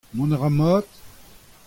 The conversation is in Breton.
Mont a ra mat ?